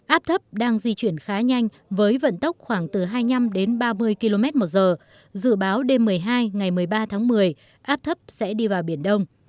áp thấp đang di chuyển khá nhanh với vận tốc khoảng từ hai mươi năm đến ba mươi km một giờ dự báo đêm một mươi hai ngày một mươi ba tháng một mươi áp thấp sẽ đi vào biển đông